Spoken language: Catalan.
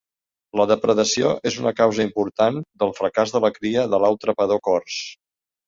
La depredació és una causa important del fracàs de la cria de l'au trepador cors.